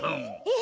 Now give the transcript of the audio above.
え！